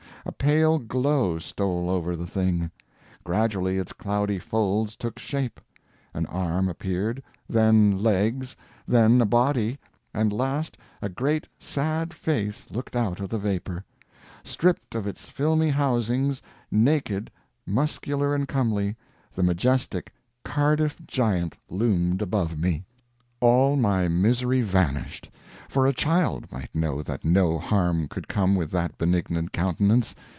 A pale glow stole over the Thing; gradually its cloudy folds took shape an arm appeared, then legs, then a body, and last a great sad face looked out of the vapor. Stripped of its filmy housings, naked, muscular and comely, the majestic Cardiff Giant loomed above me! All my misery vanished for a child might know that no harm could come with that benignant countenance.